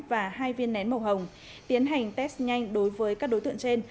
và hai viên nén màu hồng tiến hành test nhanh đối với các đối tượng trên